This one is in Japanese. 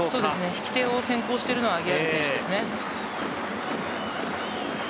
引き手を先行しているのはアギアール選手です。